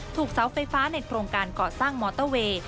เสาไฟฟ้าในโครงการก่อสร้างมอเตอร์เวย์